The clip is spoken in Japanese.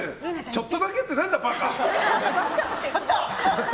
ちょっとだけって何だ、バカ！